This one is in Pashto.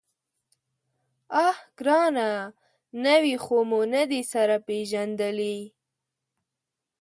_اه ګرانه! نوي خو مو نه دي سره پېژندلي.